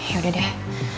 ya udah deh